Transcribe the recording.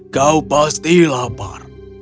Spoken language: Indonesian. kau pasti lapar